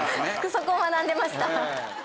そこを学んでました。